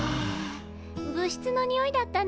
部室のにおいだったね。